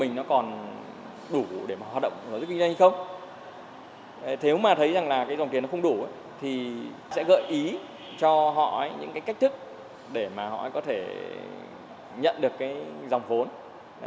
nếu mà thấy rằng là cái dòng tiền nó không đủ thì sẽ gợi ý cho họ những cái cách thức để mà họ có thể nhận được cái dòng vốn